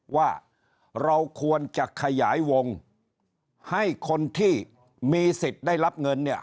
ว่าเราควรจะขยายวงให้คนที่มีสิทธิ์ได้รับเงินเนี่ย